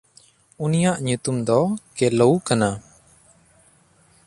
ᱩᱱᱤᱭᱟᱜ ᱧᱩᱛᱩᱢ ᱫᱚ ᱠᱮᱞᱚᱣ ᱠᱟᱱᱟ᱾